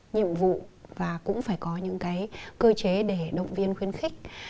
nhiệm vụ và cũng phải có những cái cơ chế để động viên khuyến khích